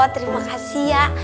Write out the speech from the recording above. terima kasih ya